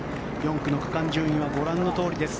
４区の区間順位はご覧のとおりです。